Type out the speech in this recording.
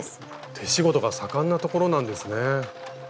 手仕事が盛んなところなんですね。